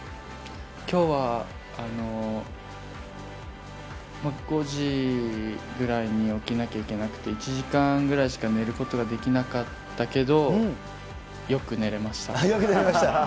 きょうは、５時ぐらいに起きなきゃいけなくて、１時間ぐらいしか寝ることができなかったけど、よく寝れました。